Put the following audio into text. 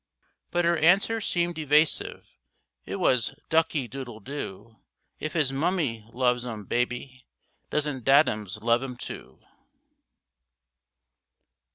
But her answer seemed evasive, It was "Ducky doodle doo! If his mummy loves um babby, Doesn't daddums love um too?"